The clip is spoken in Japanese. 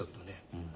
うん。